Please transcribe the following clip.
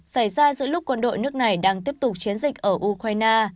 xảy ra giữa lúc quân đội nước này đang tiếp tục chiến dịch ở ukraine